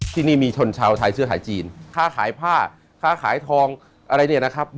ที่นี่มีชนชาวไทยซื้อขายจีนค่าขายผ้าค้าขายทองอะไรเนี่ยนะครับ